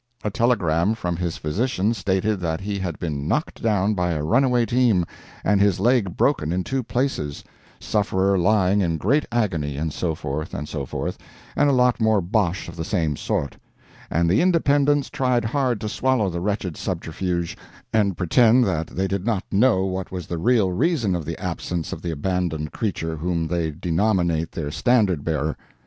A telegram from his physician stated that he had been knocked down by a runaway team, and his leg broken in two places sufferer lying in great agony, and so forth, and so forth, and a lot more bosh of the same sort. And the Independents tried hard to swallow the wretched subterfuge, and pretend that they did not know what was the real reason of the absence of the abandoned creature whom they denominate their standard bearer.